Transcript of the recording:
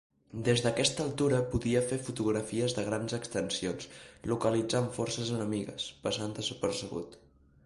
Des d'aquesta altura podia fer fotografies de grans extensions, localitzant forces enemigues, passant desapercebut.